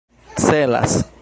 celas